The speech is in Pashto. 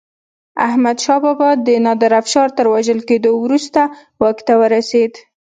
احمدشاه بابا د نادر افشار تر وژل کېدو وروسته واک ته ورسيد.